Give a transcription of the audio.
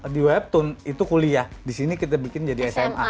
di webtoon itu kuliah disini kita bikin jadi sma